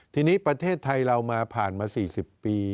ทีนี้ประเทศไทยเรามาผ่านมา๔๐ปี